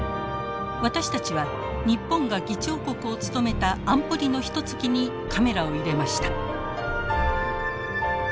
私たちは日本が議長国を務めた安保理のひとつきにカメラを入れました。